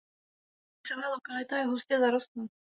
Celá lokalita je hustě zarostlá.